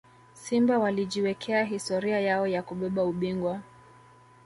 simba walijiwekea historia yao ya kubeba ubingwa